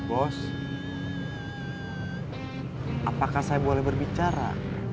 apakah saya boleh berbicara